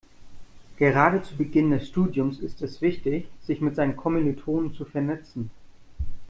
Gerade zu Beginn des Studiums ist es wichtig, sich mit seinen Kommilitonen zu vernetzen.